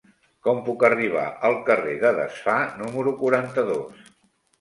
Com puc arribar al carrer de Desfar número quaranta-dos?